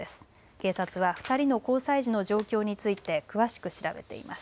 警察は２人の交際時の状況について詳しく調べています。